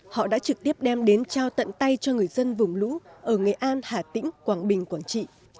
họ đã trực tiếp đem đến trao tận tay cho người dân vùng lũ ở nghệ an hà tĩnh quảng bình quảng trị